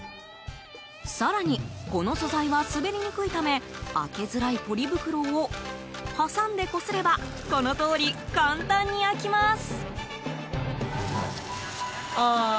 更に、この素材は滑りにくいため開けづらいポリ袋を挟んでこすればこのとおり、簡単に開きます。